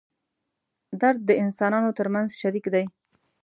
درد د انسانانو تر منځ شریک دی.